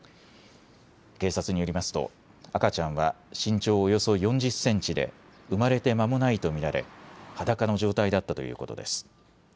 警察によりますと赤ちゃんは身長およそ４０センチで生まれてまもないと見られ裸の状態だったということです。